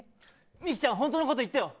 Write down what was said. ミキちゃん本当のこと言ってよ。